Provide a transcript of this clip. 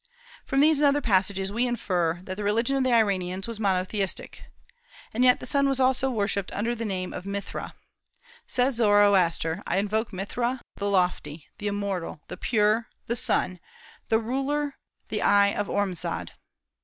From these and other passages we infer that the religion of the Iranians was monotheistic. And yet the sun also was worshipped under the name of Mithra. Says Zoroaster: "I invoke Mithra, the lofty, the immortal, the pure, the sun, the ruler, the eye of Ormazd."